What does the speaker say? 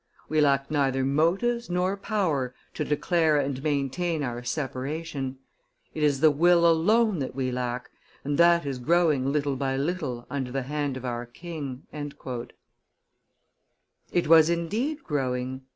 We lack neither motives nor power to declare and maintain our separation. It is the will alone that we lack, and that is growing little by little under the hand of our king." It was indeed growing.